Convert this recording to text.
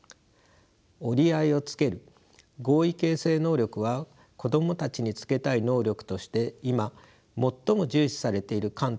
折り合いをつける合意形成能力は子供たちにつけたい能力として今最も重視されている観点の一つです。